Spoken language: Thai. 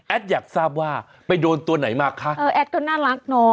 อยากทราบว่าไปโดนตัวไหนมาคะเออแอดก็น่ารักเนอะ